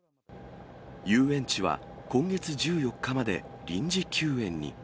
遊園地は今月１４日まで臨時休園に。